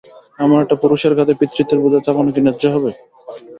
এমন একটা পুরুষের কাঁধে পিতৃত্বের বোঝা চাপানো কী ন্যায্য হবে?